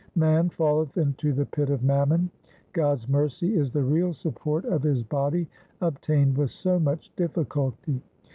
Man faileth into the pit of mammon ; God's mercy is the real support of his body obtained with so much difficulty.